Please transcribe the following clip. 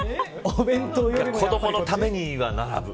子どものためには並ぶ。